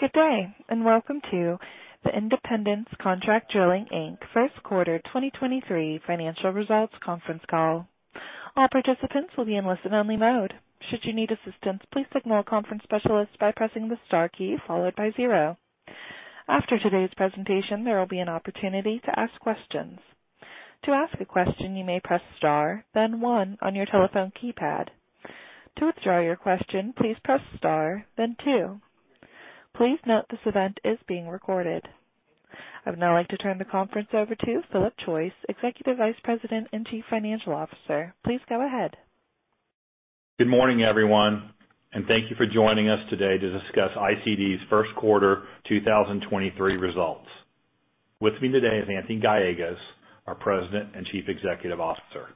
Good day, and welcome to the Independence Contract Drilling, Inc. Q1 2023 Financial Results Conference Call. All participants will be in listen only mode. Should you need assistance, please signal conference specialist by pressing the star key followed by 0. After today's presentation, there will be an opportunity to ask questions. To ask a question, you may press Star, then one on your telephone keypad. To withdraw your question, please press Star, then 2. Please note this event is being recorded. I would now like to turn the conference over to Philip Choyce, Executive Vice President and Chief Financial Officer. Please go ahead. Good morning, everyone, and thank you for joining us today to discuss ICD's Q1 2023 results. With me today is Anthony Gallegos, our President and Chief Executive Officer.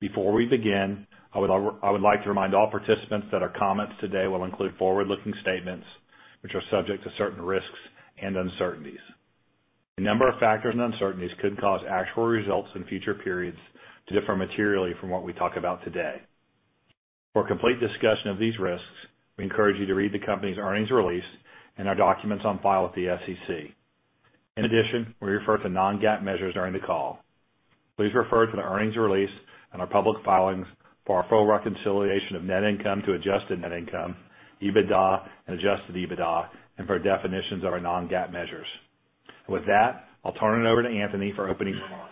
Before we begin, I would like to remind all participants that our comments today will include forward-looking statements which are subject to certain risks and uncertainties. A number of factors and uncertainties could cause actual results in future periods to differ materially from what we talk about today. For a complete discussion of these risks, we encourage you to read the company's earnings release and our documents on file with the SEC. In addition, we refer to non-GAAP measures during the call. Please refer to the earnings release and our public filings for our full reconciliation of net income to adjusted net income, EBITDA and adjusted EBITDA and for definitions of our non-GAAP measures. With that, I'll turn it over to Anthony for opening remarks.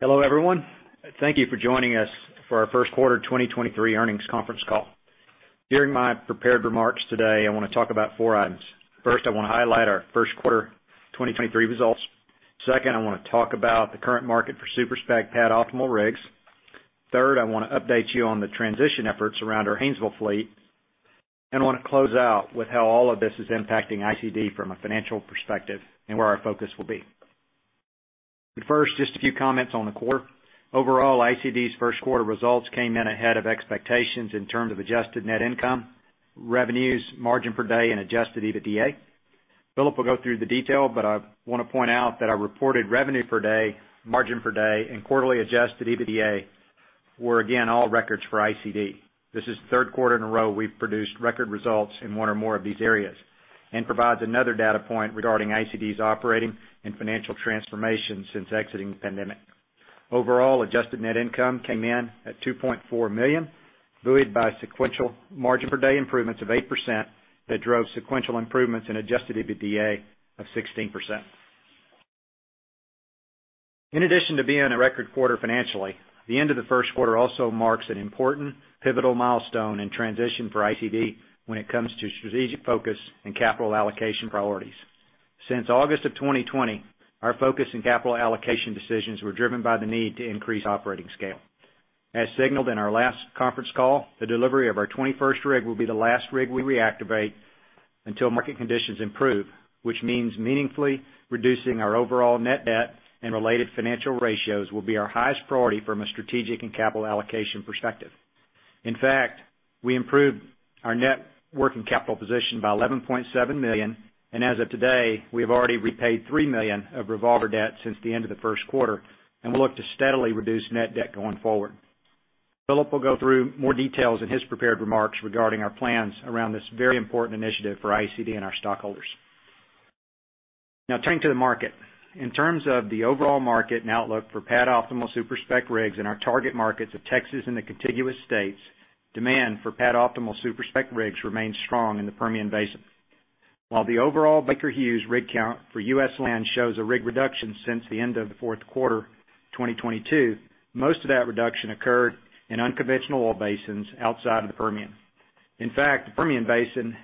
Hello, everyone. Thank you for joining us for our Q1 2023 earnings conference call. During my prepared remarks today, I wanna talk about 4 items. First, I wanna highlight our Q1 2023 results. Second, I wanna talk about the current market for super-spec pad-optimal rigs. Third, I wanna update you on the transition efforts around our Haynesville fleet, and I wanna close out with how all of this is impacting ICD from a financial perspective and where our focus will be. First, just a few comments on the quarter. Overall, ICD's Q1 results came in ahead of expectations in terms of adjusted net income, revenues, margin per day, and adjusted EBITDA. Philip will go through the detail, but I want to point out that our reported revenue per day, margin per day, and quarterly adjusted EBITDA were again all records for ICD. This is the Q3 in a row we've produced record results in one or more of these areas and provides another data point regarding ICD's operating and financial transformation since exiting the pandemic. Overall, adjusted net income came in at $2.4 million, buoyed by sequential margin per day improvements of 8% that drove sequential improvements in adjusted EBITDA of 16%. In addition to being a record quarter financially, the end of the Q1 also marks an important pivotal milestone in transition for ICD when it comes to strategic focus and capital allocation priorities. Since August of 2020, our focus in capital allocation decisions were driven by the need to increase operating scale. As signaled in our last conference call, the delivery of our 21st rig will be the last rig we reactivate until market conditions improve, which means meaningfully reducing our overall net debt and related financial ratios will be our highest priority from a strategic and capital allocation perspective. In fact, we improved our net working capital position by $11.7 million, as of today, we have already repaid $3 million of revolver debt since the end of the Q1, and we look to steadily reduce net debt going forward. Philip will go through more details in his prepared remarks regarding our plans around this very important initiative for ICD and our stockholders. Now turning to the market. In terms of the overall market and outlook for pad-optimal super-spec rigs in our target markets of Texas and the contiguous states, demand for pad-optimal super-spec rigs remains strong in the Permian Basin. While the overall Baker Hughes rig count for U.S. land shows a rig reduction since the end of the Q4 2022, most of that reduction occurred in unconventional oil basins outside of the Permian. In fact, the Permian Basin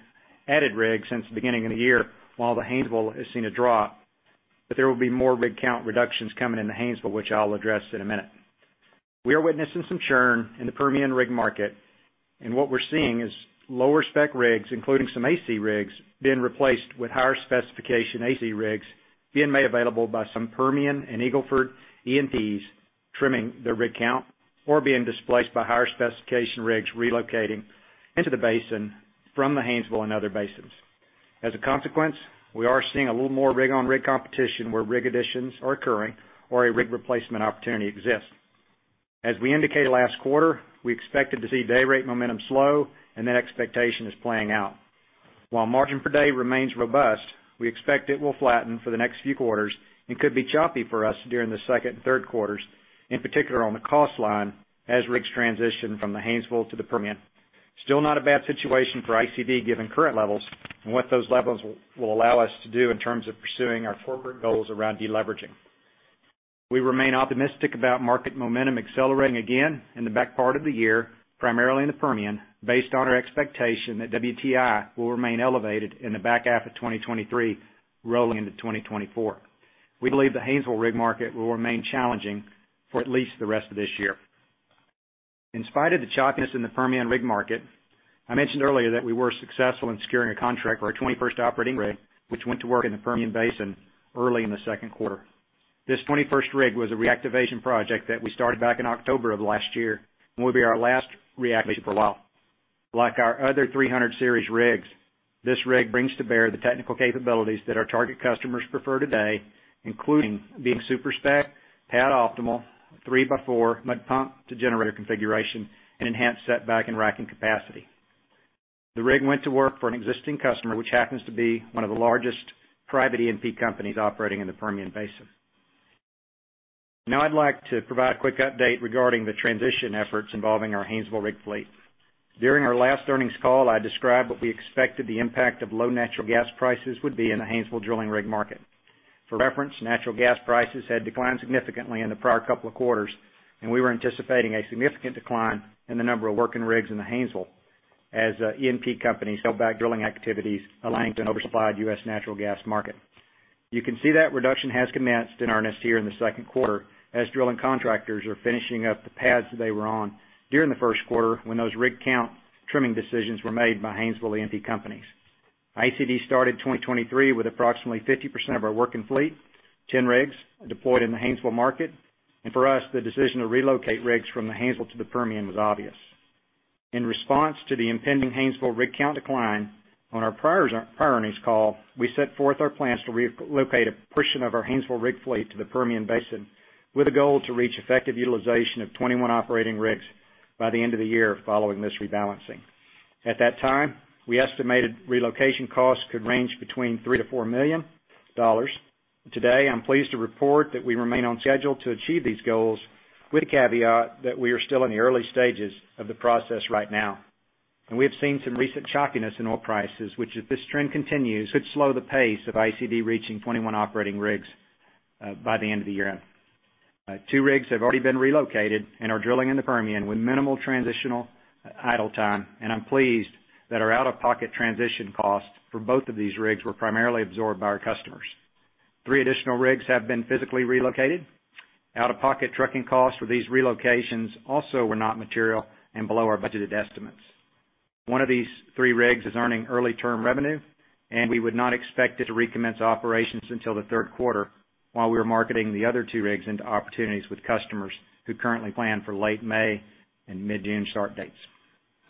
added rigs since the beginning of the year while the Haynesville has seen a drop. There will be more rig count reductions coming in the Haynesville, which I'll address in a minute. We are witnessing some churn in the Permian rig market, and what we're seeing is lower spec rigs, including some AC rigs, being replaced with higher specification AC rigs being made available by some Permian and Eagle Ford E&Ps trimming their rig count or being displaced by higher specification rigs relocating into the basin from the Haynesville and other basins. As a consequence, we are seeing a little more rig on rig competition where rig additions are occurring or a rig replacement opportunity exists. As we indicated last quarter, we expected to see day rate momentum slow, and that expectation is playing out. While margin per day remains robust, we expect it will flatten for the next few quarters and could be choppy for us during the second and Q3, in particular on the cost line as rigs transition from the Haynesville to the Permian. Still not a bad situation for ICD, given current levels and what those levels will allow us to do in terms of pursuing our corporate goals around deleveraging. We remain optimistic about market momentum accelerating again in the back part of the year, primarily in the Permian, based on our expectation that WTI will remain elevated in the back half of 2023 rolling into 2024. We believe the Haynesville rig market will remain challenging for at least the rest of this year. In spite of the choppiness in the Permian rig market, I mentioned earlier that we were successful in securing a contract for our 21st operating rig, which went to work in the Permian Basin early in the 2Q. This 21st rig was a reactivation project that we started back in October of last year and will be our last reactivation for a while. Like our other 300 series rigs. This rig brings to bear the technical capabilities that our target customers prefer today, including being super-spec, pad-optimal, three-by-four mud pump to generator configuration and enhanced setback and racking capacity. The rig went to work for an existing customer, which happens to be one of the largest private E&P companies operating in the Permian Basin. I'd like to provide a quick update regarding the transition efforts involving our Haynesville rig fleet. During our last earnings call, I described what we expected the impact of low natural gas prices would be in the Haynesville drilling rig market. For reference, natural gas prices had declined significantly in the prior couple of quarters, and we were anticipating a significant decline in the number of working rigs in the Haynesville as E&P companies held back drilling activities aligned to an oversupplied U.S. natural gas market. You can see that reduction has commenced in earnest here in the Q2 as drilling contractors are finishing up the pads that they were on during the Q1 when those rig count trimming decisions were made by Haynesville E&P companies. ICD started 2023 with approximately 50% of our working fleet, 10 rigs deployed in the Haynesville market. For us, the decision to relocate rigs from the Haynesville to the Permian was obvious. In response to the impending Haynesville rig count decline on our prior earnings call, we set forth our plans to reallocate a portion of our Haynesville rig fleet to the Permian Basin with a goal to reach effective utilization of 21 operating rigs by the end of the year following this rebalancing. At that time, we estimated relocation costs could range between $3 million-$4 million. Today, I'm pleased to report that we remain on schedule to achieve these goals with the caveat that we are still in the early stages of the process right now. We have seen some recent choppiness in oil prices, which if this trend continues, could slow the pace of ICD reaching 21 operating rigs by the end of the year. 2 rigs have already been relocated and are drilling in the Permian with minimal transitional idle time, and I'm pleased that our out-of-pocket transition costs for both of these rigs were primarily absorbed by our customers. 3 additional rigs have been physically relocated. Out-of-pocket trucking costs for these relocations also were not material and below our budgeted estimates. One of these 3 rigs is earning early term revenue, we would not expect it to recommence operations until the Q3, while we are marketing the other 2 rigs into opportunities with customers who currently plan for late May and mid-June start dates.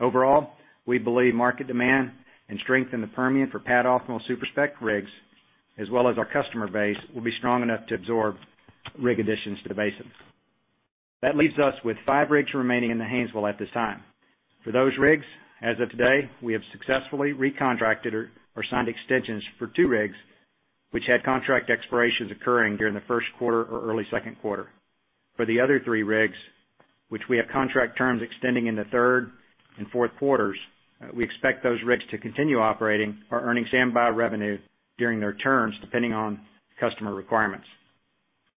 Overall, we believe market demand and strength in the Permian for pad-optimal super-spec rigs, as well as our customer base, will be strong enough to absorb rig additions to the basins. That leaves us with 5 rigs remaining in the Haynesville at this time. For those rigs, as of today, we have successfully recontracted or signed extensions for 2 rigs which had contract expirations occurring during the Q1 or early Q2. For the other three rigs, which we have contract terms extending in the third and Q4, we expect those rigs to continue operating or earning stand-by revenue during their terms, depending on customer requirements.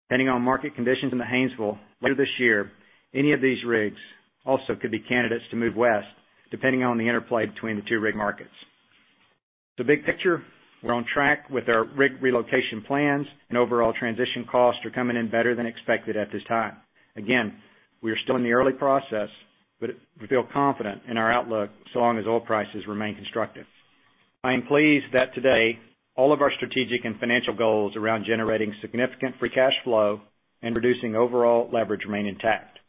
Depending on market conditions in the Haynesville, later this year, any of these rigs also could be candidates to move west, depending on the interplay between the two rig markets. Big picture, we're on track with our rig relocation plans and overall transition costs are coming in better than expected at this time. We are still in the early process, but we feel confident in our outlook so long as oil prices remain constructive. I am pleased that today all of our strategic and financial goals around generating significant free cash flow and reducing overall leverage remain intact.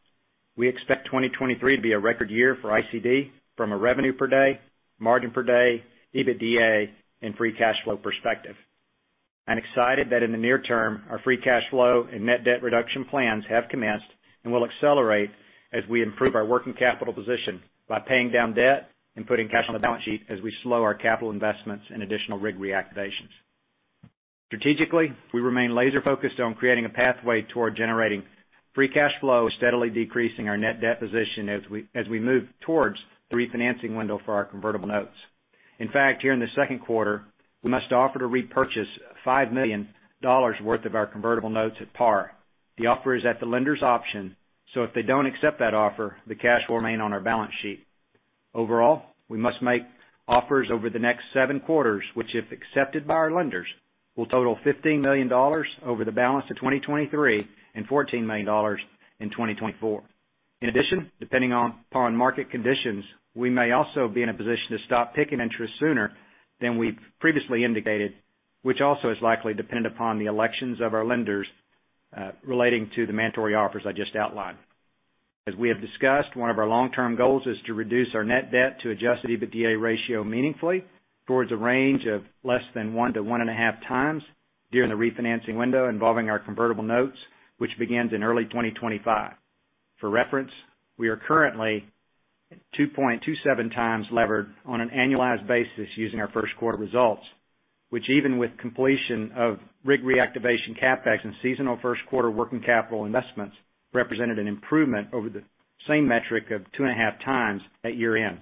We expect 2023 to be a record year for ICD from a revenue per day, margin per day, EBITDA, and free cash flow perspective. I'm excited that in the near term, our free cash flow and net debt reduction plans have commenced and will accelerate as we improve our working capital position by paying down debt and putting cash on the balance sheet as we slow our capital investments and additional rig reactivations. Strategically, we remain laser focused on creating a pathway toward generating free cash flow, steadily decreasing our net debt position as we move towards the refinancing window for our Convertible Notes. Here in the Q2, we must offer to repurchase $5 million worth of our Convertible Notes at par. The offer is at the lender's option. If they don't accept that offer, the cash will remain on our balance sheet. Overall, we must make offers over the next seven quarters, which, if accepted by our lenders, will total $15 million over the balance of 2023 and $14 million in 2024. In addition, depending upon market conditions, we may also be in a position to stop picking interest sooner than we've previously indicated, which also is likely dependent upon the elections of our lenders relating to the mandatory offers I just outlined. As we have discussed, one of our long-term goals is to reduce our net debt to adjusted EBITDA ratio meaningfully towards a range of less than 1 to 1.5 times during the refinancing window involving our Convertible Notes, which begins in early 2025. For reference, we are currently 2.27 times levered on an annualized basis using our Q1 results, which even with completion of rig reactivation CapEx and seasonal Q1 working capital investments, represented an improvement over the same metric of 2.5 times at year-end.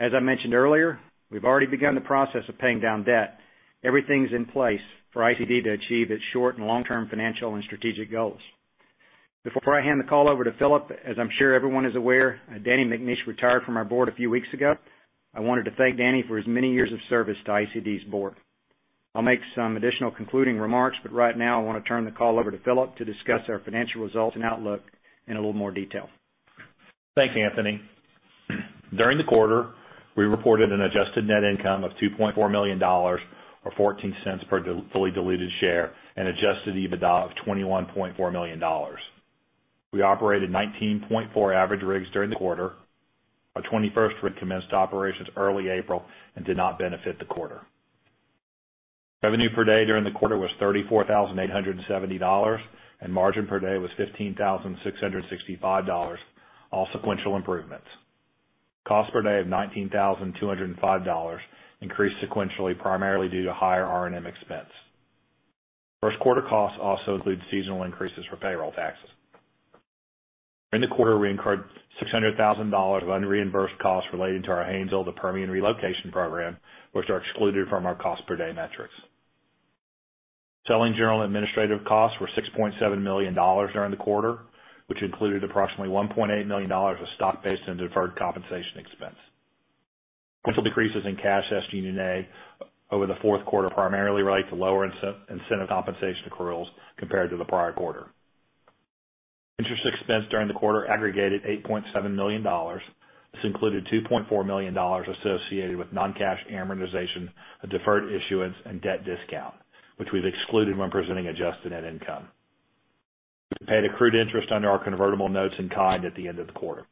As I mentioned earlier, we've already begun the process of paying down debt. Everything's in place for ICD to achieve its short and long-term financial and strategic goals. Before I hand the call over to Philip, as I'm sure everyone is aware, Danny McNease retired from our board a few weeks ago. I wanted to thank Danny for his many years of service to ICD's board. I'll make some additional concluding remarks. Right now I wanna turn the call over to Philip to discuss our financial results and outlook in a little more detail. Thank you, Anthony. During the quarter, we reported an adjusted net income of $2.4 million or $0.14 per fully diluted share and adjusted EBITDA of $21.4 million. We operated 19.4 average rigs during the quarter. Our 21st rig commenced operations early April and did not benefit the quarter. Revenue per day during the quarter was $34,870, and margin per day was $15,665, all sequential improvements. Cost per day of $19,205 increased sequentially primarily due to higher R&M expense. Q1 costs also include seasonal increases for payroll taxes. During the quarter, we incurred $600,000 of unreimbursed costs relating to our Haynesville to Permian relocation program, which are excluded from our cost per day metrics. Selling general and administrative costs were $6.7 million during the quarter, which included approximately $1.8 million of stock-based and deferred compensation expense. Sequel decreases in cash SG&A over the Q4 primarily relate to lower incentive compensation accruals compared to the prior quarter. Interest expense during the quarter aggregated $8.7 million. This included $2.4 million associated with non-cash amortization of deferred issuance and debt discount, which we've excluded when presenting adjusted net income. We paid accrued interest under our Convertible Notes in kind at the end of the quarter.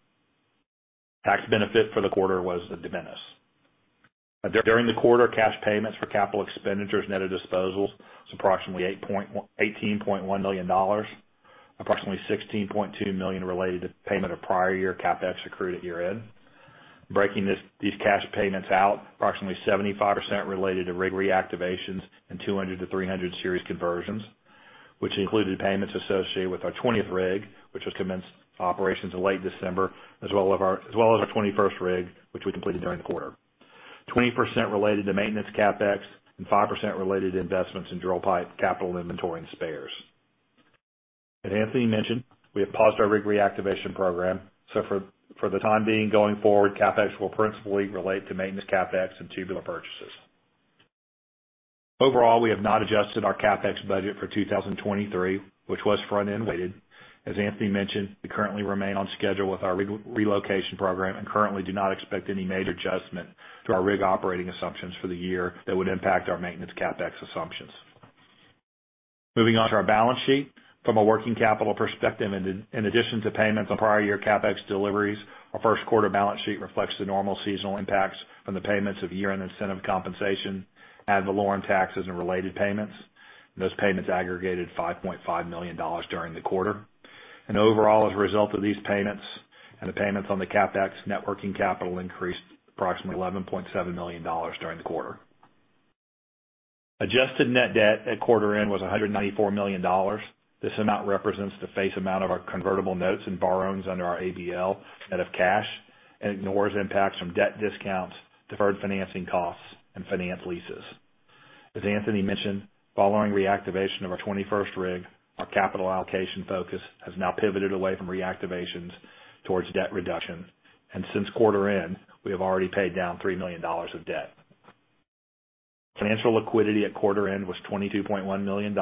Tax benefit for the quarter was de minimis. During the quarter, cash payments for capital expenditures net of disposals was approximately $18.1 million. Approximately $16.2 million related to payment of prior year CapEx accrued at year-end. Breaking these cash payments out, approximately 75% related to rig reactivations and 200 series to 300 series conversions, which included payments associated with our 20th rig, which was commenced operations in late December, as well as our 21st rig, which we completed during the quarter. 20% related to maintenance CapEx and 5% related to investments in drill pipe, capital inventory, and spares. As Anthony mentioned, we have paused our rig reactivation program, so for the time being going forward, CapEx will principally relate to maintenance CapEx and tubular purchases. Overall, we have not adjusted our CapEx budget for 2023, which was front-end weighted. As Anthony mentioned, we currently remain on schedule with our rig relocation program and currently do not expect any major adjustment to our rig operating assumptions for the year that would impact our maintenance CapEx assumptions. Moving on to our balance sheet. From a working capital perspective, in addition to payments on prior year CapEx deliveries, our Q1 balance sheet reflects the normal seasonal impacts from the payments of year-end incentive compensation, ad valorem taxes and related payments. Those payments aggregated $5.5 million during the quarter. Overall, as a result of these payments and the payments on the CapEx, net working capital increased approximately $11.7 million during the quarter. Adjusted net debt at quarter end was $194 million. This amount represents the face amount of our Convertible Notes and borrowings under our ABL net of cash and ignores impacts from debt discounts, deferred financing costs, and finance leases. As Anthony mentioned, following reactivation of our 21st rig, our capital allocation focus has now pivoted away from reactivations towards debt reduction. Since quarter end, we have already paid down $3 million of debt. Financial liquidity at quarter end was $22.1 million,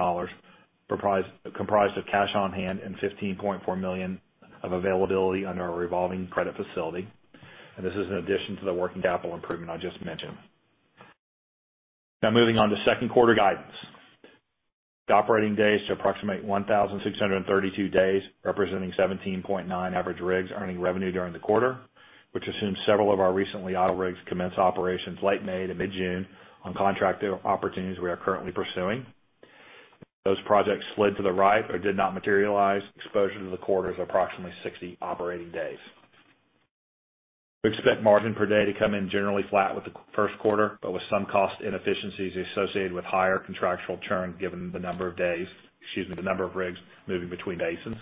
comprised of cash on hand and $15.4 million of availability under our revolving credit facility. This is in addition to the working capital improvement I just mentioned. Moving on to Q2 guidance. Operating days to approximate 1,632 days, representing 17.9 average rigs earning revenue during the quarter, which assumes several of our recently idle rigs commence operations late May to mid-June on contracted opportunities we are currently pursuing. If those projects slid to the right or did not materialize, exposure to the quarter is approximately 60 operating days. We expect margin per day to come in generally flat with the Q1, but with some cost inefficiencies associated with higher contractual churn given the number of days, excuse me, the number of rigs moving between basins.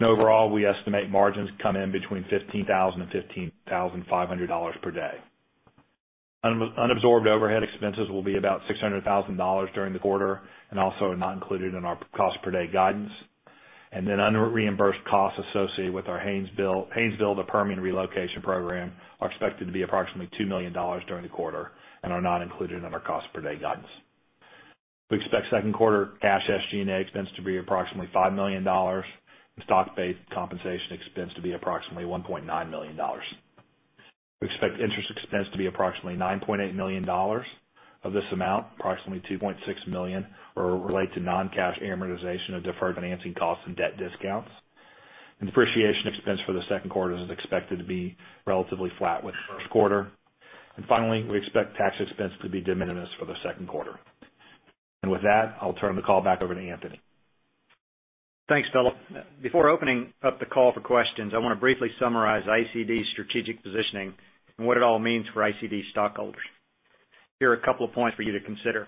Overall, we estimate margins to come in between $15,000 and $15,500 per day. Unabsorbed overhead expenses will be about $600,000 during the quarter and also are not included in our cost per day guidance. Unreimbursed costs associated with our Haynesville to Permian relocation program are expected to be approximately $2 million during the quarter and are not included in our cost per day guidance. We expect Q2 cash SG&A expense to be approximately $5 million and stock-based compensation expense to be approximately $1.9 million. We expect interest expense to be approximately $9.8 million. Of this amount, approximately $2.6 million are related to non-cash amortization of deferred financing costs and debt discounts. Depreciation expense for the Q2 is expected to be relatively flat with the Q1. Finally, we expect tax expense to be de minimis for the Q2. With that, I'll turn the call back over to Anthony. Thanks, Philip. Before opening up the call for questions, I wanna briefly summarize ICD's strategic positioning and what it all means for ICD stockholders. Here are a couple of points for you to consider.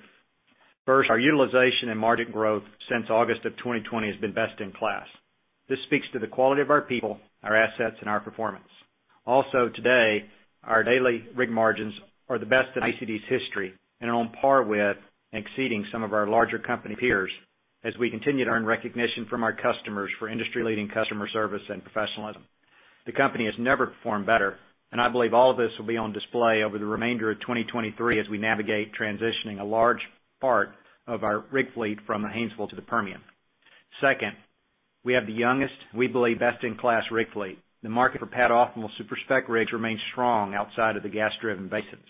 First, our utilization and margin growth since August of 2020 has been best in class. This speaks to the quality of our people, our assets, and our performance. Today, our daily rig margins are the best in ICD's history and are on par with and exceeding some of our larger company peers as we continue to earn recognition from our customers for industry-leading customer service and professionalism. The company has never performed better. I believe all of this will be on display over the remainder of 2023 as we navigate transitioning a large part of our rig fleet from the Haynesville to the Permian. Second, we have the youngest, we believe, best-in-class rig fleet. The market for pad-optimal super-spec rigs remains strong outside of the gas-driven basins.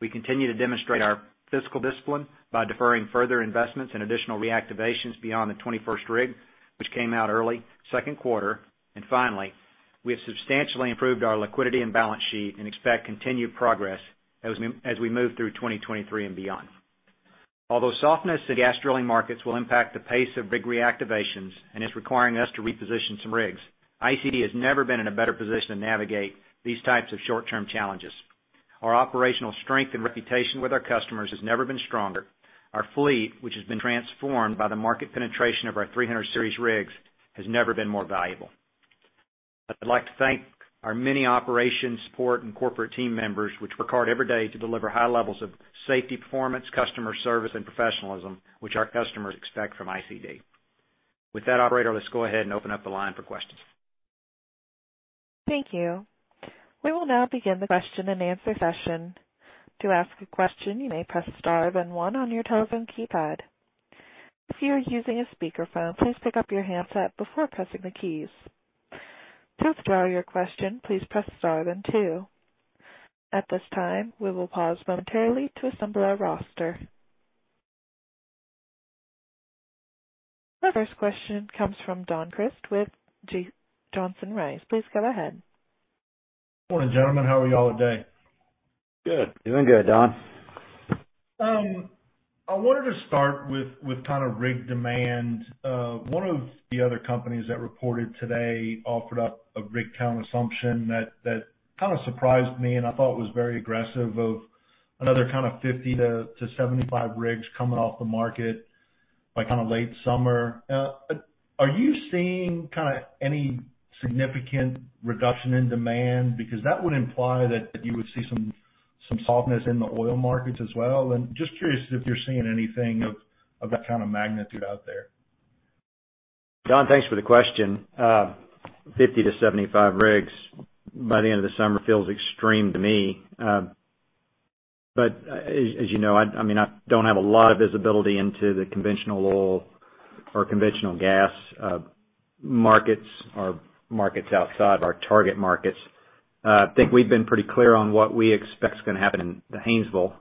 We continue to demonstrate our fiscal discipline by deferring further investments and additional reactivations beyond the 21st rig, which came out early Q2. Finally, we have substantially improved our liquidity and balance sheet and expect continued progress as we move through 2023 and beyond. Although softness in gas drilling markets will impact the pace of rig reactivations and is requiring us to reposition some rigs, ICD has never been in a better position to navigate these types of short-term challenges. Our operational strength and reputation with our customers has never been stronger. Our fleet, which has been transformed by the market penetration of our 300 series rigs, has never been more valuable. I'd like to thank our many operations support and corporate team members, which work hard every day to deliver high levels of safety, performance, customer service, and professionalism, which our customers expect from ICD. With that, operator, let's go ahead and open up the line for questions. Thank you. We will now begin the question-and-answer session. To ask a question, you may press Star then 1 on your telephone keypad. If you are using a speakerphone, please pick up your handset before pressing the keys. To withdraw your question, please press Star then 2. At this time, we will pause momentarily to assemble our roster. The first question comes from Don Crist with Johnson Rice. Please go ahead. Morning, gentlemen. How are y'all today? Good. Doing good, Don. I wanted to start with kind of rig demand. One of the other companies that reported today offered up a rig count assumption that kind of surprised me, and I thought was very aggressive of another kind of 50-75 rigs coming off the market by kind of late summer. Are you seeing kind of any significant reduction in demand? Because that would imply that you would see some softness in the oil markets as well. Just curious if you're seeing anything of that kind of magnitude out there. Don, thanks for the question. 50-75 rigs by the end of the summer feels extreme to me. As you know, I mean, I don't have a lot of visibility into the conventional oil or conventional gas markets or markets outside our target markets. I think we've been pretty clear on what we expect is gonna happen in the Haynesville.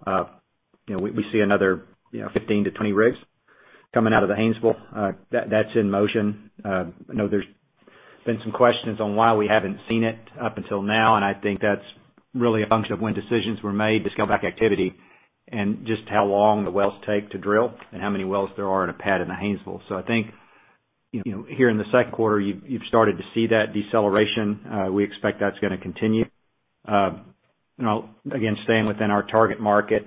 You know, we see another 15-20 rigs coming out of the Haynesville. That's in motion. I know there's been some questions on why we haven't seen it up until now, and I think that's really a function of when decisions were made to scale back activity and just how long the wells take to drill and how many wells there are in a pad in the Haynesville. I think, you know, here in the Q2, you've started to see that deceleration. We expect that's gonna continue. You know, again, staying within our target market,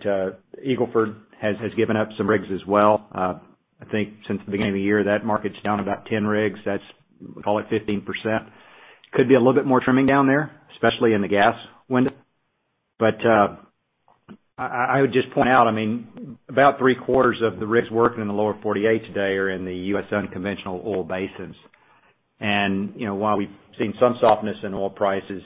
Eagle Ford has given up some rigs as well. I think since the beginning of the year, that market's down about 10 rigs. That's, call it 15%. Could be a little bit more trimming down there, especially in the gas window. I would just point out, I mean, about three-quarters of the rigs working in the lower 48 today are in the U.S. unconventional oil basins. You know, while we've seen some softness in oil prices,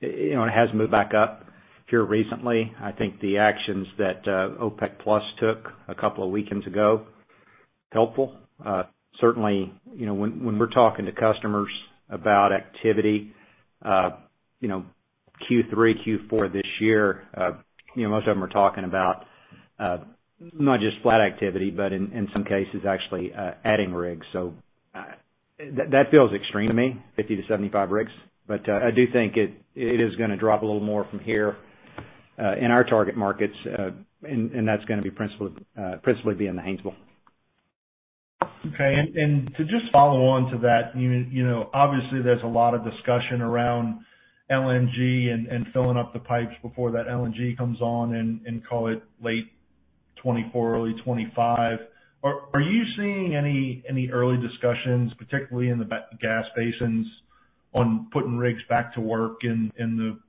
you know, it has moved back up here recently. I think the actions that OPEC+ took a couple of weekends ago, helpful. Certainly, you know, when we're talking to customers about activity, you know, Q3, Q4 this year, you know, most of them are talking about, not just flat activity, but in some cases, actually, adding rigs. That, that feels extreme to me, 50-75 rigs. I do think it is gonna drop a little more from here, in our target markets, and that's gonna be principally be in the Haynesville. Okay. To just follow on to that, you know, obviously there's a lot of discussion around LNG and filling up the pipes before that LNG comes on in, call it, late 2024, early 2025. Are you seeing any early discussions, particularly in the gas basins, on putting rigs back to work in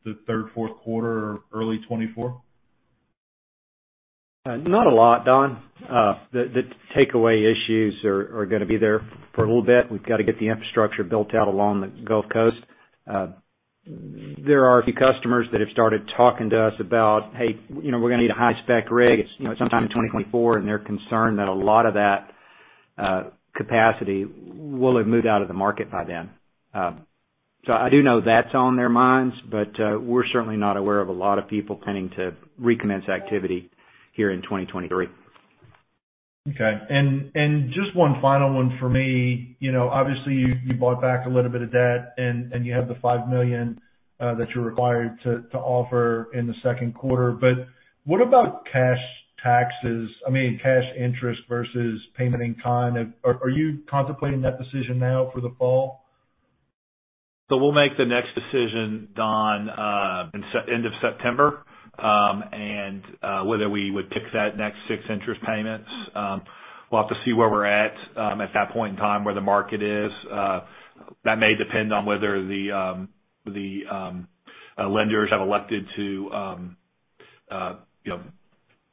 the third, Q4 or early 2024? Not a lot, Don. The takeaway issues are gonna be there for a little bit. We've got to get the infrastructure built out along the Gulf Coast. There are a few customers that have started talking to us about, "Hey, you know, we're gonna need a high-spec rig, you know, sometime in 2024," and they're concerned that a lot of that capacity will have moved out of the market by then. I do know that's on their minds, but, we're certainly not aware of a lot of people planning to recommence activity here in 2023. Okay. Just one final one for me. You know, obviously you bought back a little bit of debt and you have the $5 million that you're required to offer in the Q2. What about cash taxes, I mean, cash interest versus payment in kind? Are you contemplating that decision now for the fall? We'll make the next decision, Don, end of September, whether we would pick that next six interest payments. We'll have to see where we're at at that point in time, where the market is. That may depend on whether the lenders have elected to, you know,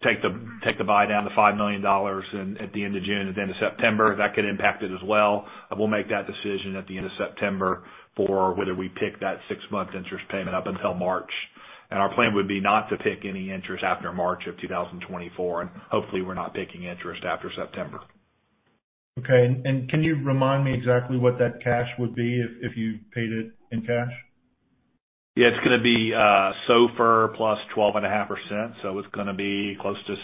take the, take the buy down to $5 million at the end of June or the end of September. That could impact it as well. We'll make that decision at the end of September for whether we pick that 6-month interest payment up until March. Our plan would be not to pick any interest after March of 2024. Hopefully, we're not picking interest after September. Okay. Can you remind me exactly what that cash would be if you paid it in cash? Yeah, it's gonna be SOFR plus 12.5%, so it's gonna be close to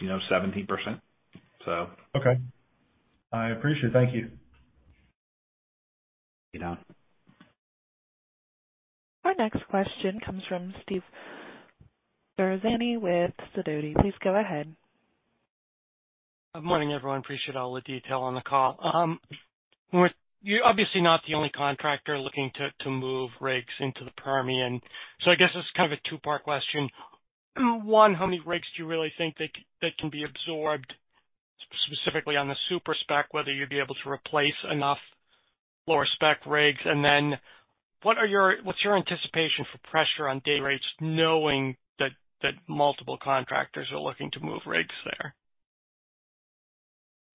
you know, 17%. Okay. I appreciate it, thank you. You know. Our next question comes from Steve Ferazani with Sidoti & Company. Please go ahead. Good morning, everyone. Appreciate all the detail on the call. You're obviously not the only contractor looking to move rigs into the Permian. I guess it's kind of a two-part question. One, how many rigs do you really think that can be absorbed specifically on the super-spec, whether you'd be able to replace enough lower spec rigs? What's your anticipation for pressure on day rates knowing that multiple contractors are looking to move rigs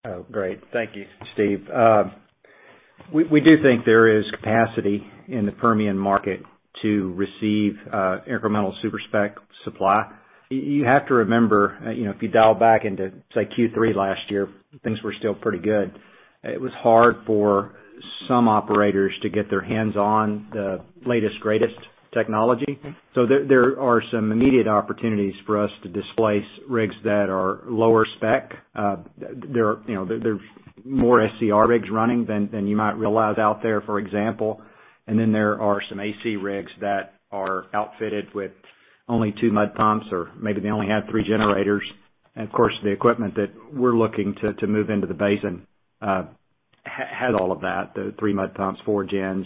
there? Great. Thank you, Steve. We do think there is capacity in the Permian market to receive incremental super-spec supply. You have to remember, you know, if you dial back into, say, Q3 last year, things were still pretty good. It was hard for some operators to get their hands on the latest, greatest technology. There are some immediate opportunities for us to displace rigs that are lower spec. There, you know, there are more SCR rigs running than you might realize out there, for example. There are some AC rigs that are outfitted with only 2 mud pumps or maybe they only have 3 generators. Of course, the equipment that we're looking to move into the basin has all of that, the 3 mud pumps, 4 gens.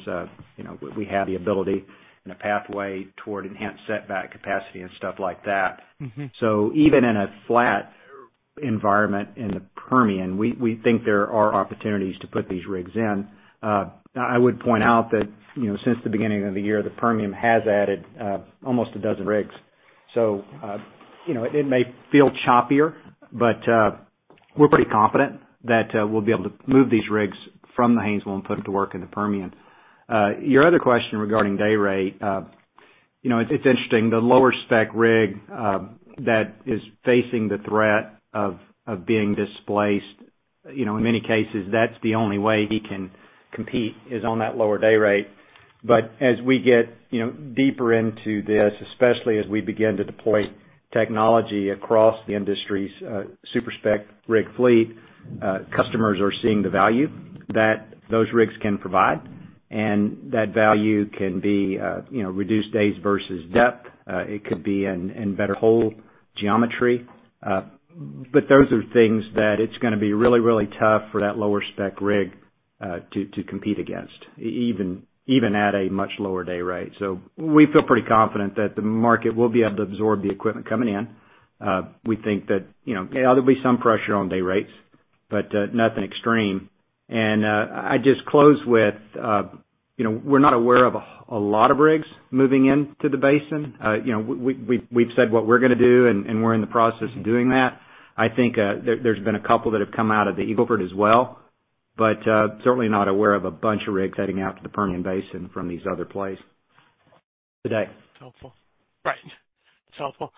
You know, we have the ability and a pathway toward enhanced setback capacity and stuff like that. Mm-hmm. Even in a flat environment in the Permian, we think there are opportunities to put these rigs in. I would point out that, you know, since the beginning of the year, the Permian has added almost 12 rigs. It may feel choppier, but we're pretty confident that we'll be able to move these rigs from the Haynesville and put them to work in the Permian. Your other question regarding day rate. It's interesting. The lower spec rig that is facing the threat of being displaced, you know, in many cases, that's the only way he can compete is on that lower day rate. As we get, you know, deeper into this, especially as we begin to deploy technology across the industry's super-spec rig fleet, customers are seeing the value that those rigs can provide, and that value can be, you know, reduced days versus depth. It could be in better hole geometry. But those are things that it's gonna be really, really tough for that lower spec rig to compete against even at a much lower day rate. We feel pretty confident that the market will be able to absorb the equipment coming in. We think that, you know, yeah, there'll be some pressure on day rates, but nothing extreme. I just close with, you know, we're not aware of a lot of rigs moving into the basin. you know, we've said what we're gonna do, and we're in the process of doing that. I think, there's been a couple that have come out of the Eagle Ford as well, but certainly not aware of a bunch of rigs heading out to the Permian Basin from these other plays today. Helpful. Right. It's helpful.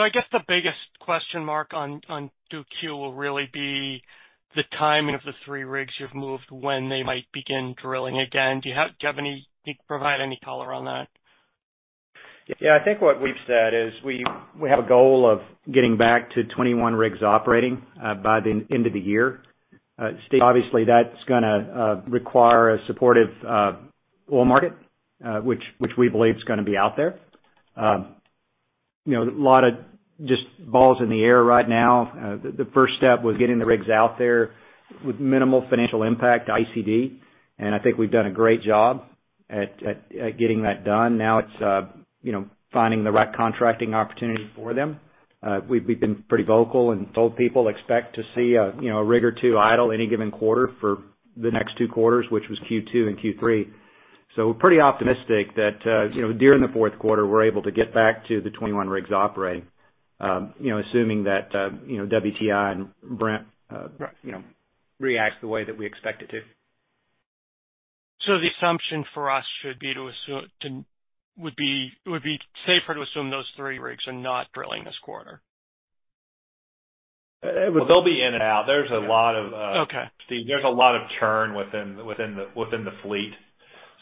I guess the biggest question mark on 2Q will really be the timing of the three rigs you've moved, when they might begin drilling again. Can you provide any color on that? I think what we've said is we have a goal of getting back to 21 rigs operating by the end of the year. Steve, obviously, that's gonna require a supportive oil market, which we believe is gonna be out there. You know, a lot of just balls in the air right now. The first step was getting the rigs out there with minimal financial impact to ICD, and I think we've done a great job at getting that done. Now it's, you know, finding the right contracting opportunity for them. We've been pretty vocal, and told people expect to see a, you know, a rig or 2 idle any given quarter for the next 2 quarters, which was Q2 and Q3. We're pretty optimistic that, you know, during the Q4, we're able to get back to the 21 rigs operating, you know, assuming that, you know, WTI and Brent, you know, reacts the way that we expect it to. The assumption for us should be it would be safer to assume those three rigs are not drilling this quarter. Well, they'll be in and out. There's a lot of. Okay. Steve, there's a lot of churn within the fleet.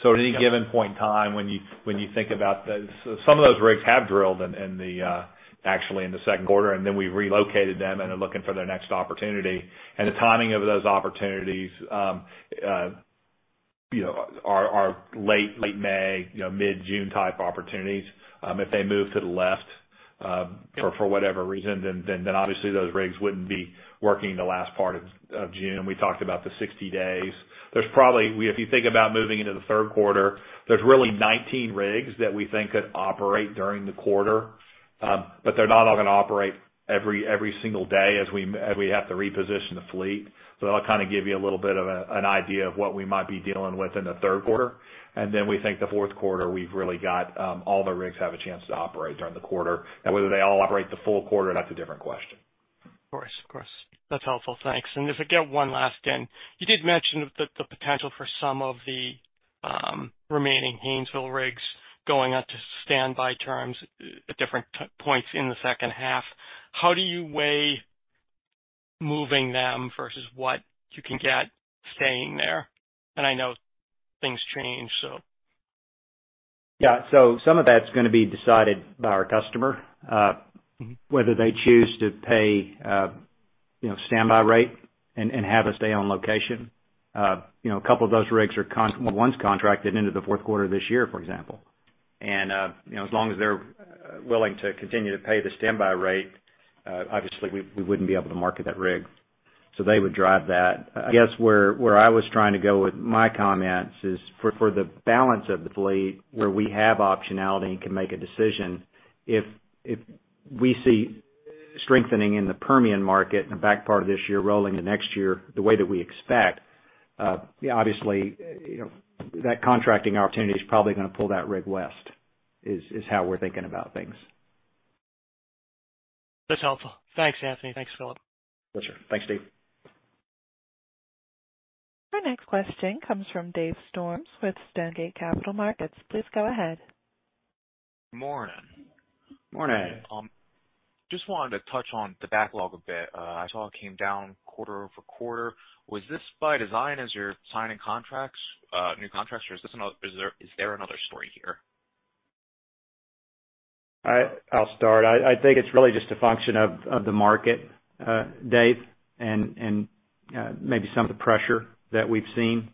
At any given point in time when you think about So some of those rigs have drilled in the 2Q, and then we relocated them and are looking for their next opportunity. The timing of those opportunities, you know, are late May, you know, mid-June type opportunities. If they move to the left, for whatever reason, then obviously those rigs wouldn't be working the last part of June. We talked about the 60 days. If you think about moving into the 3Q, there's really 19 rigs that we think could operate during the quarter. They're not all gonna operate every single day as we have to reposition the fleet. That'll kind of give you a little bit of an idea of what we might be dealing with in the Q3. We think the Q4 we've really got, all the rigs have a chance to operate during the quarter. Whether they all operate the full quarter, that's a different question. Of course. Of course. That's helpful. Thanks. If I get one last in. You did mention the potential for some of the, remaining Haynesville rigs Going out to standby terms at different t-points in the second half. How do you weigh moving them versus what you can get staying there? I know things change, so. Yeah. Some of that's gonna be decided by our customer, whether they choose to pay, you know, standby rate and have us stay on location. You know, a couple of those rigs are once contracted into the Q4 of this year, for example. You know, as long as they're willing to continue to pay the standby rate, obviously we wouldn't be able to market that rig. They would drive that. I guess where I was trying to go with my comments is for the balance of the fleet where we have optionality and can make a decision, if we see strengthening in the Permian market in the back part of this year rolling to next year the way that we expect, obviously, you know, that contracting opportunity is probably gonna pull that rig west, is how we're thinking about things. That's helpful. Thanks, Anthony. Thanks, Philip. Pleasure. Thanks, Dave. Our next question comes from Dave Storms with Stonegate Capital Markets. Please go ahead. Morning. Morning. Just wanted to touch on the backlog a bit. I saw it came down quarter-over-quarter. Was this by design as you're signing contracts, new contracts, or is there another story here? I'll start. I think it's really just a function of the market, Dave, and maybe some of the pressure that we've seen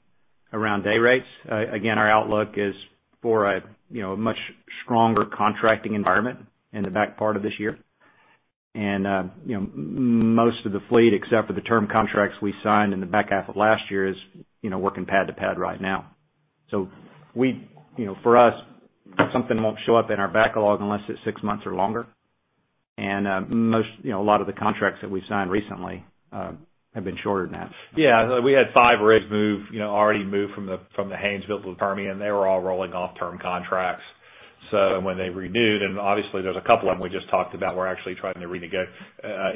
around day rates. Again, our outlook is for a, you know, much stronger contracting environment in the back part of this year. You know, most of the fleet, except for the term contracts we signed in the back half of last year is, you know, working pad to pad right now. You know, for us, something won't show up in our backlog unless it's six months or longer. Most, you know, a lot of the contracts that we've signed recently have been shorter than that. Yeah. We had five rigs move, you know, already moved from the, from the Haynesville to the Permian. They were all rolling off term contracts. When they renewed and obviously there's a couple of them we just talked about, we're actually trying to renegotiate,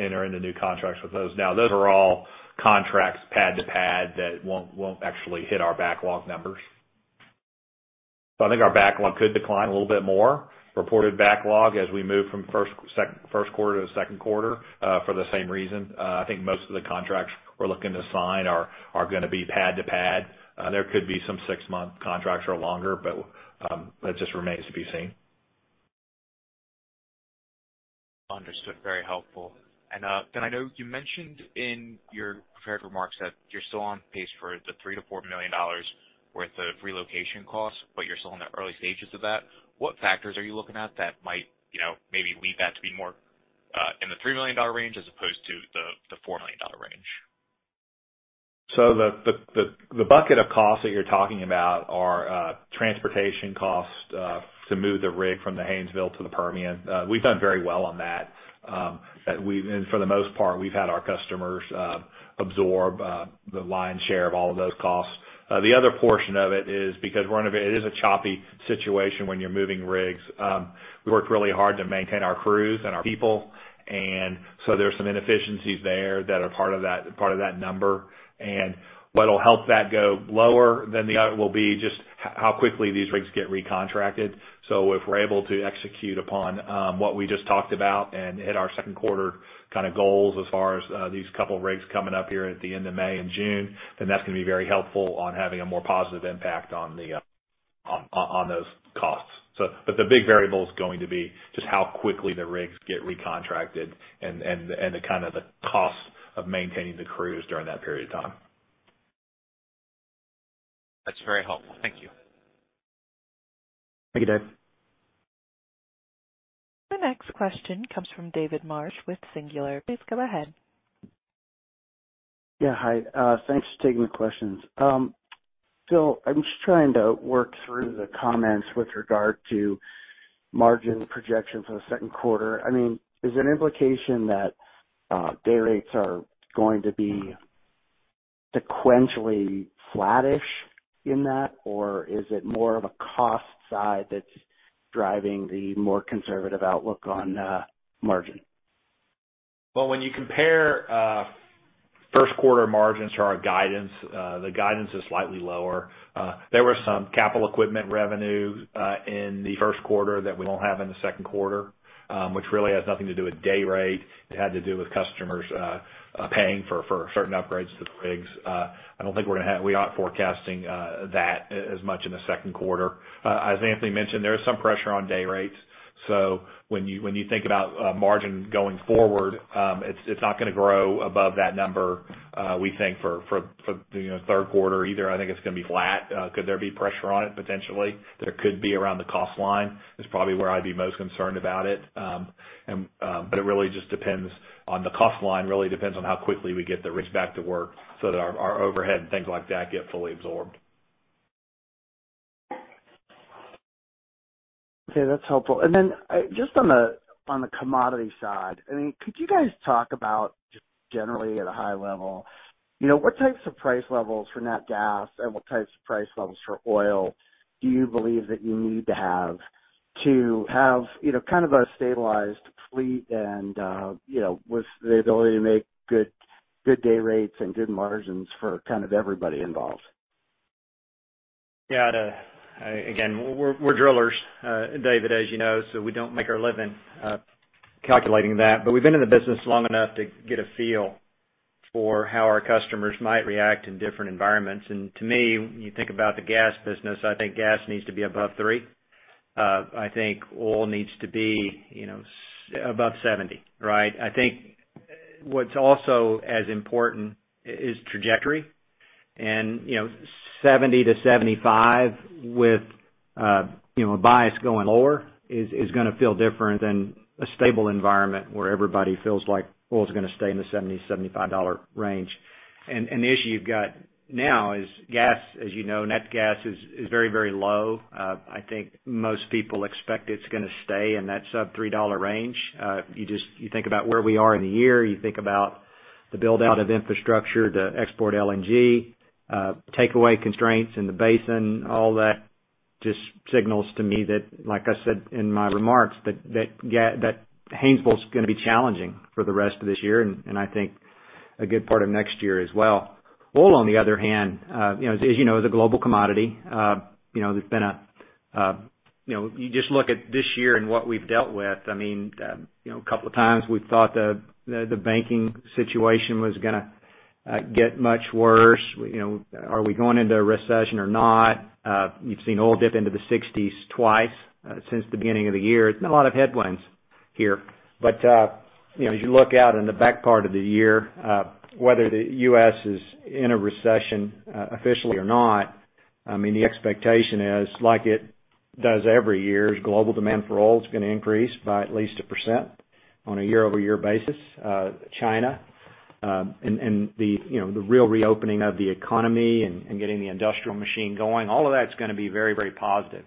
enter into new contracts with those now. Those are all contracts pad to pad that won't actually hit our backlog numbers. I think our backlog could decline a little bit more, reported backlog, as we move from Q1 to Q2, for the same reason. I think most of the contracts we're looking to sign are gonna be pad to pad. There could be some six-month contracts or longer, but that just remains to be seen. Understood. Very helpful. Then I know you mentioned in your prepared remarks that you're still on pace for the $3 million-$4 million worth of relocation costs, but you're still in the early stages of that. What factors are you looking at that might, you know, maybe lead that to be more in the $3 million range as opposed to the $4 million range? The bucket of costs that you're talking about are transportation costs to move the rig from the Haynesville to the Permian. We've done very well on that, and for the most part, we've had our customers absorb the lion's share of all of those costs. The other portion of it is because we're in a very choppy situation when you're moving rigs. We work really hard to maintain our crews and our people, and so there's some inefficiencies there that are part of that number. What'll help that go lower than the other will be just how quickly these rigs get recontracted. If we're able to execute upon what we just talked about and hit our Q2 kinda goals as far as these couple rigs coming up here at the end of May and June, then that's gonna be very helpful on having a more positive impact on the on those costs. The big variable is going to be just how quickly the rigs get recontracted and the kinda the cost of maintaining the crews during that period of time. That's very helpful. Thank you. Thank you, Dave. The next question comes from David Marsh with Singular. Please go ahead. Hi, thanks for taking the questions. Phil, I'm just trying to work through the comments with regard to margin projections for the Q2. I mean, is it an implication that day rates are going to be sequentially flattish in that, or is it more of a cost side that's driving the more conservative outlook on margin? Well, when you compare, Q1 margins to our guidance, the guidance is slightly lower. There was some capital equipment revenue in the Q1 that we don't have in the Q2, which really has nothing to do with day rate. It had to do with customers paying for certain upgrades to the rigs. I don't think we aren't forecasting that as much in the Q2. As Anthony mentioned, there is some pressure on day rates. When you think about margin going forward, it's not gonna grow above that number, we think for, you know, Q3 either. I think it's gonna be flat. Could there be pressure on it potentially? There could be around the cost line. It's probably where I'd be most concerned about it. It really just depends on the cost line, really depends on how quickly we get the rigs back to work so that our overhead and things like that get fully absorbed. Okay, that's helpful. Then, just on the commodity side, I mean, could you guys talk about just generally at a high level, you know, what types of price levels for nat gas and what types of price levels for oil do you believe that you need to have, you know, kind of a stabilized fleet and, you know, with the ability to make good day rates and good margins for kind of everybody involved? Yeah. again, we're drillers, David, as you know, so we don't make our living, calculating that, but we've been in the business long enough to get a feel for how our customers might react in different environments. To me, when you think about the gas business, I think gas needs to be above $3. I think oil needs to be, you know, above $70, right? I think what's also as important is trajectory. You know, $70-$75 with, you know, a bias going lower is gonna feel different than a stable environment where everybody feels like oil's gonna stay in the $70-$75 dollar range. The issue you've got now is gas, as you know, net gas is very, very low. I think most people expect it's gonna stay in that sub $3 dollar range. You think about where we are in the year, you think about the build-out of infrastructure to export LNG, take away constraints in the basin, all that just signals to me that, like I said in my remarks, that Haynesville's gonna be challenging for the rest of this year, and I think a good part of next year as well. Oil, on the other hand, you know, as you know, is a global commodity. You know, there's been a. You know, you just look at this year and what we've dealt with. I mean, you know, a couple of times we thought the banking situation was gonna get much worse. You know, are we going into a recession or not? You've seen oil dip into the 60s twice since the beginning of the year. There's been a lot of headwinds here. You know, as you look out in the back part of the year, whether the U.S. is in a recession officially or not, I mean, the expectation is, like it does every year, is global demand for oil is gonna increase by at least a % on a year-over-year basis. China, and the, you know, the real reopening of the economy and getting the industrial machine going, all of that's gonna be very, very positive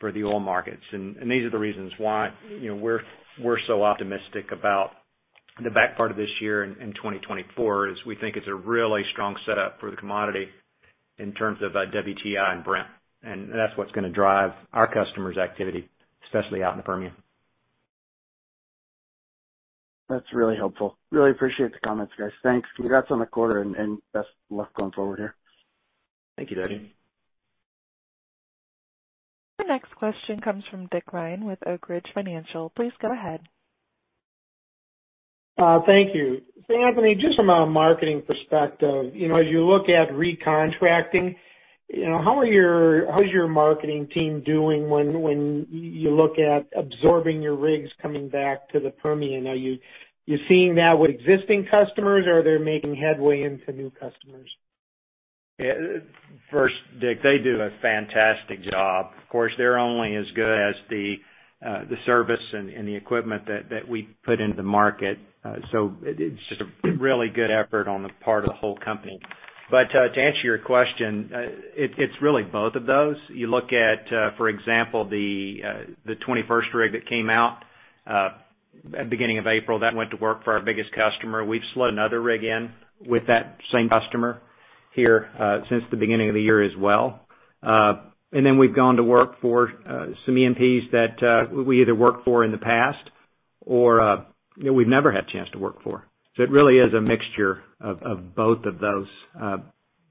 for the oil markets. These are the reasons why, you know, we're so optimistic about the back part of this year in 2024, is we think it's a really strong setup for the commodity in terms of WTI and Brent, and that's what's gonna drive our customers' activity, especially out in the Permian. That's really helpful. Really appreciate the comments, guys. Thanks. Congrats on the quarter and best luck going forward here. Thank you, David. The next question comes from Dick Lyon with Oak Ridge Financial. Please go ahead. Thank you. Anthony, just from a marketing perspective, you know, as you look at recontracting, you know, How's your marketing team doing when you look at absorbing your rigs coming back to the Permian? Are you seeing that with existing customers, or are they making headway into new customers? Yeah. First, Dick, they do a fantastic job. Of course, they're only as good as the service and the equipment that we put into the market. It's just a really good effort on the part of the whole company. To answer your question, it's really both of those. You look at, for example, the twenty-first rig that came out, at beginning of April, that went to work for our biggest customer. We've slid another rig in with that same customer here, since the beginning of the year as well. We've gone to work for, some E&Ps that, we either worked for in the past or, you know, we've never had a chance to work for. It really is a mixture of both of those.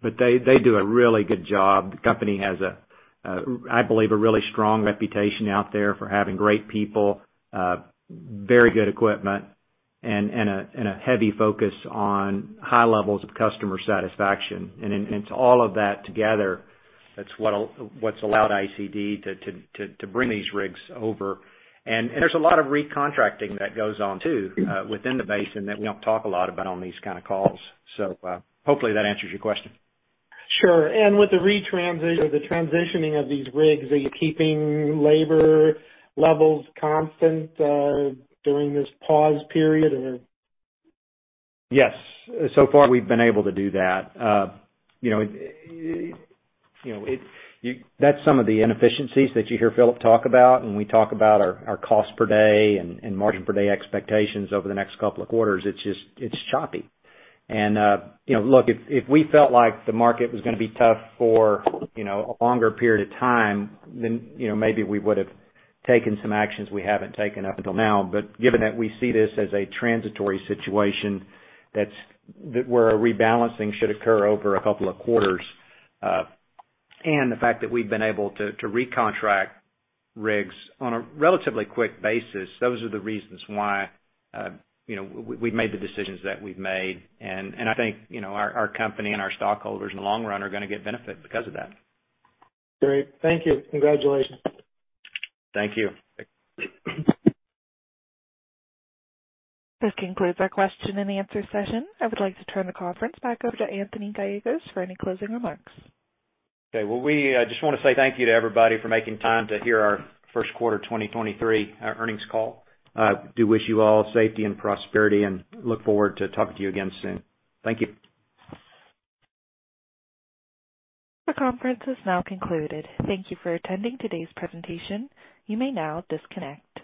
They do a really good job. The company has a, I believe, a really strong reputation out there for having great people, very good equipment and a heavy focus on high levels of customer satisfaction. It's all of that together that's what's allowed ICD to bring these rigs over. There's a lot of recontracting that goes on too, within the basin that we don't talk a lot about on these kinda calls. Hopefully that answers your question. Sure. With the transitioning of these rigs, are you keeping labor levels constant during this pause period or? Yes. So far we've been able to do that. you know, That's some of the inefficiencies that you hear Philip talk about when we talk about our cost per day and margin per day expectations over the next couple of quarters. It's just, it's choppy. you know, look, if we felt like the market was gonna be tough for, you know, a longer period of time, then, maybe we would've taken some actions we haven't taken up until now. Given that we see this as a transitory situation where a rebalancing should occur over a couple of quarters, and the fact that we've been able to recontract rigs on a relatively quick basis, those are the reasons why, you know, we've made the decisions that we've made. I think, you know, our company and our stockholders in the long run are gonna get benefit because of that. Great. Thank you. Congratulations. Thank you. This concludes our question and answer session. I would like to turn the conference back over to Anthony Gallegos for any closing remarks. Okay. Well, we, just wanna say thank you to everybody for making time to hear our Q1 2023, earnings call. I do wish you all safety and prosperity, and look forward to talking to you again soon. Thank you. The conference has now concluded. Thank you for attending today's presentation. You may now disconnect.